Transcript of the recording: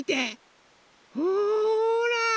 ほら！